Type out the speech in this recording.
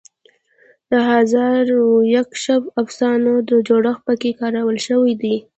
د هزار و یک شب افسانوي جوړښت پکې کارول شوی دی.